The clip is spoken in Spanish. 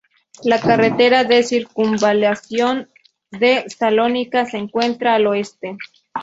La carretera de circunvalación de Salónica se encuentra al oeste.